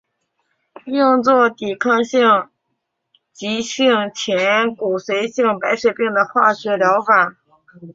用作抵抗性急性前骨髓性白血病的化学疗法。